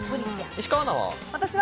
石川アナは？